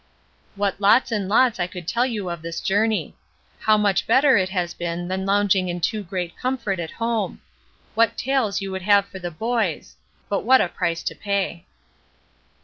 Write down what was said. What lots and lots I could tell you of this journey. How much better has it been than lounging in too great comfort at home. What tales you would have for the boys. But what a price to pay.